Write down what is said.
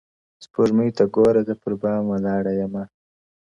سپوږمۍ ته گوره زه پر بام ولاړه يمه ـ